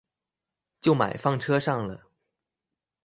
就買放車上了